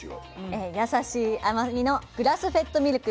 えやさしい甘みのグラスフェッドミルク。